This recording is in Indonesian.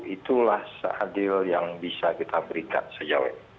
itulah seadil yang bisa kita berikan sejauh ini